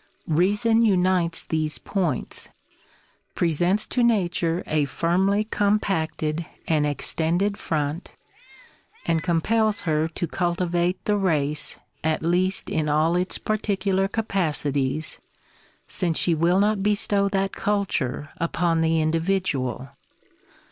Reason unites these points; presents to Nature a firmly compacted and extended front, and compels her to cultivate the Race at least in all its particular capacities, since she will not bestow that culture upon the Individual.